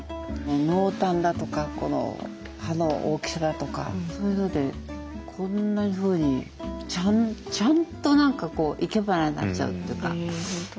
濃淡だとか葉の大きさだとかそういうのでこんなふうにちゃんと何か生け花になっちゃうというか。